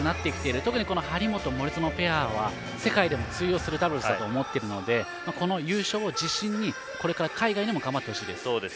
特に張本、森薗ペアは世界でも通用するダブルスだと思っているのでこの優勝を自信にこれから海外でも頑張ってほしいです。